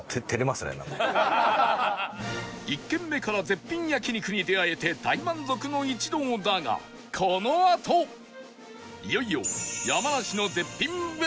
１軒目から絶品焼肉に出会えて大満足の一同だがこのあといよいよ